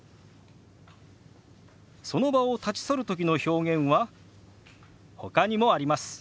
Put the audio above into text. その場を立ち去るときの表現はほかにもあります。